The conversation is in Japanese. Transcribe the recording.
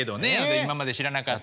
今まで知らなかった。